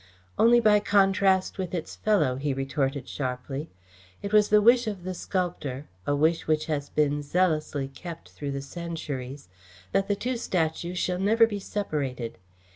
"Only by contrast with its fellow," he retorted sharply. "It was the wish of the sculptor, a wish which has been zealously kept through the centuries, that the two statues shall never be separated.